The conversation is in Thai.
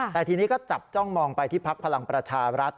แต่ทีนี้ก็จับจ้องมองไปที่พักพลังประชารัฐ